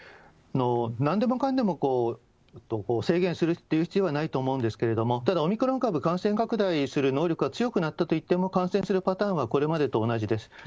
なんでもかんでも制限するっていう必要はないと思うんですけれども、ただ、オミクロン株、感染拡大する能力が強くなったといっても、感染するパターンはこれまでと同じです。